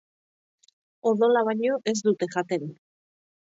Odola baino ez dute jaten.